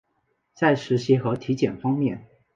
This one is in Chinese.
在实习和体验方面